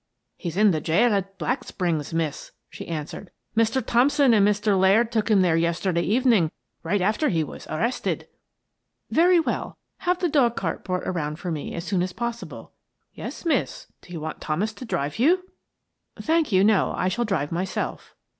" He's in the jail at Black Springs, miss," she answered. " Mr. Thompson and Mr. Laird took him there yesterday evening right after he was arrested." " Very well. Have the dog cart brought around for me as soon as possible." " Yes, miss. Do you want Thomas to drive you?" " Thank you, no. I shall drive myself."